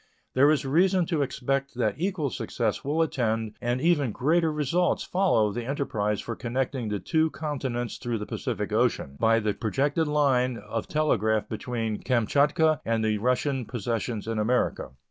There is reason to expect that equal success will attend and even greater results follow the enterprise for connecting the two continents through the Pacific Ocean by the projected line of telegraph between Kamchatka and the Russian possessions in America.